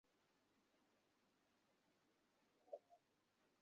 মতির সঙ্গে কুমুদও মাকড়ি খোঁজে।